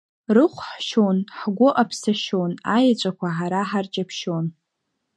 Рыхә ҳшьон, ҳгәы аԥсашьон, аеҵәақәа ҳара ҳарҷаԥшьон.